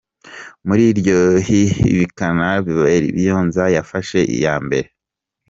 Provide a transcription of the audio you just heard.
Muri iryo hihibikana, Balyinyonza yafashe iya mbere.